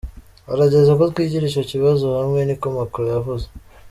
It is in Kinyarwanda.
"Harageze ko twigira ico kibazo hamwe," niko Macron yavuze.